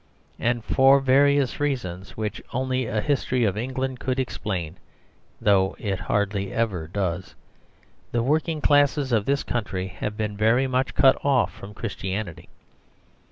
And for various reasons, which only a history of England could explain (though it hardly ever does), the working classes of this country have been very much cut off from Christianity.